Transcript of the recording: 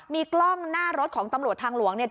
มีกล้องหน้ารถของตำรวจทางหลวงเนี่ย